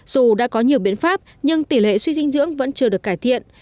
dù đã có nhiều biện pháp nhưng tỷ lệ suy dinh dưỡng vẫn chưa được cải thiện